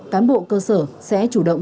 cán bộ cơ sở sẽ chủ động